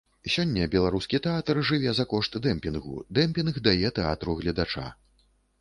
Сёння беларускі тэатр жыве за кошт дэмпінгу, дэмпінг дае тэатру гледача.